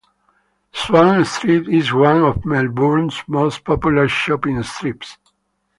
Swan Street is one of Melbourne's most popular shopping strips.